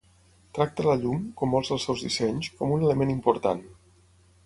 Tracta la llum, com molts dels seus dissenys, com un element important.